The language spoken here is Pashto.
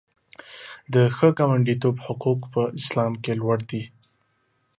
د ښه ګاونډیتوب حقوق په اسلام کې لوړ دي.